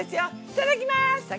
いただきます！